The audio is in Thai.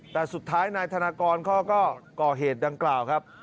แต่สุดท้ายนายธนากรเขาก็ก่อเหตุดังกล่าวครับ